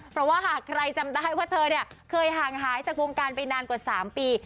เพราะว่าหากใครจำได้ว่าเธอเนี่ยเคยห่างหายจากวงการไปนานกว่า๓ปี